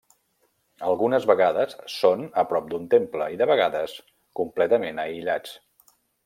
Algunes vegades són a prop d'un temple, i de vegades completament aïllats.